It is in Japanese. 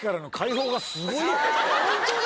ホントだ。